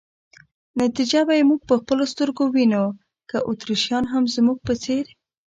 نتیجه به یې موږ په خپلو سترګو وینو، که اتریشیان هم زموږ په څېر.